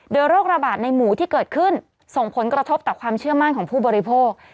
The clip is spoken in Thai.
โดยโรคระบาดในหมูที่เกิดขึ้นส่งผลกระทบต่อความเชื่อมั่นของผู้บริโภค